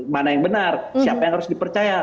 mana yang benar siapa yang harus dipercaya